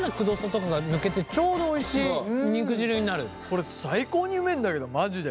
これ最高にうめえんだけどマジで。